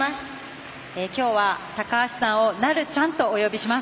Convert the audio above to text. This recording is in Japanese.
きょうは高橋さんをなるちゃんとお呼びします。